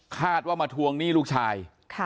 คาดว่ามาทวงหนี้ลูกชาย